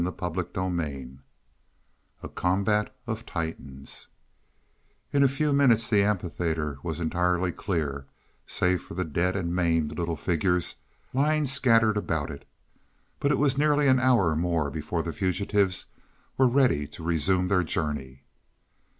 CHAPTER XXXVII A COMBAT OF TITANS In a few minutes the amphitheater was entirely clear, save for the dead and maimed little figures lying scattered about; but it was nearly an hour more before the fugitives were ready to resume their journey.